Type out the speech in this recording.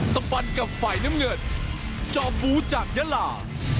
ตำบันกับไฟน้ำเงินจอมบูจักรยาล่า